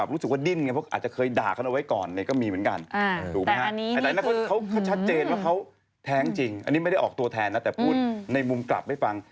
มีสิ่งจริงมายืนยันทั้งหมดว่าฉันแท้งจริง